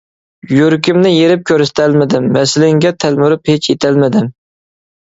يۈرىكىمنى يېرىپ كۆرسىتەلمىدىم، ۋەسلىڭگە تەلمۈرۈپ ھېچ يىتەلمىدىم.